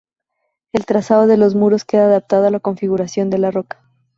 El trazado de los muros queda adaptado a la configuración de la roca.